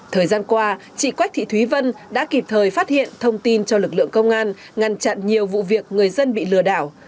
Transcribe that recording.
thời gian qua chị quách thị thúy vân đã kịp thời phát hiện thông tin cho lực lượng công an ngăn chặn nhiều vụ việc người dân bị lừa đảo